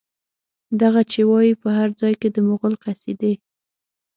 دغه چې وايي، په هر ځای کې د مغول قصيدې